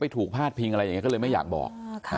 ถูกพาดพิงอะไรอย่างนี้ก็เลยไม่อยากบอก